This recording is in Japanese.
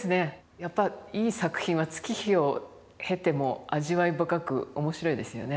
やっぱりいい作品は月日を経ても味わい深く面白いですよね。